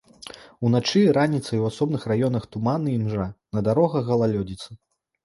Уначы і раніцай у асобных раёнах туман і імжа, на дарогах галалёдзіца.